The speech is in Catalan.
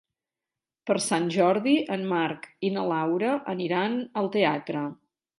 Per Sant Jordi en Marc i na Laura aniran al teatre.